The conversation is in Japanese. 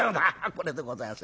「これでございます。